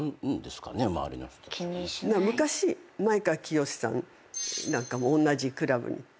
昔前川清さんなんかもおんなじクラブにいて。